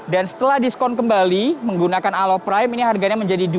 dan setelah diskon kembali menggunakan alo prime ini harganya menjadi rp dua tiga ratus sembilan belas